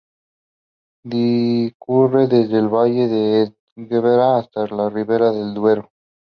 Discurre desde el Valle del Esgueva hasta la Ribera del Duero.